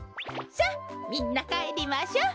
さっみんなかえりましょう。